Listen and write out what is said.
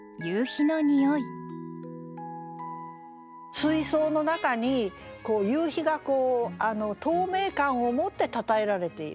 水槽の中に夕日がこう透明感を持ってたたえられている。